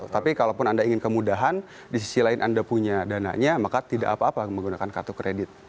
tapi kalaupun anda ingin kemudahan di sisi lain anda punya dananya maka tidak apa apa menggunakan kartu kredit